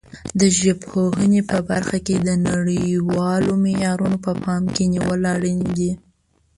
د ژبپوهنې په برخه کې د نړیوالو معیارونو په پام کې نیول اړین دي.